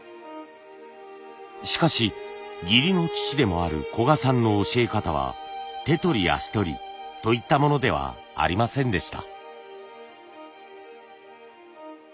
しかし義理の父でもある古賀さんの教え方は手取り足取りといったものではありませんでした。